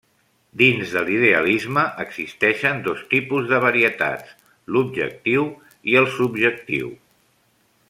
Dins de l'idealisme existeixen dos tipus de varietats: l'objectiu i el subjectiu.